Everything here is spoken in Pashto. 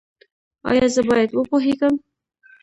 ایا زه باید وپوهیږم؟